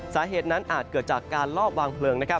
สาเหตุนั้นอาจเกิดจากการลอบวางเพลิง